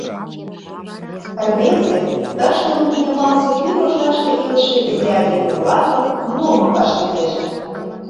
Рвезе тыште лум йымалсе кӱ рожлаште илыше изи айдеме-влакым, гномым, вашлийнеже.